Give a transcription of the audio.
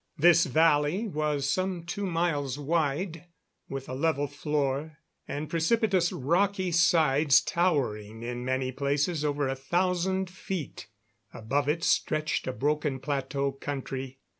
This valley was some two miles wide, with a level floor, and precipitous, rocky sides towering in many places over a thousand feet. Above it stretched a broken plateau country.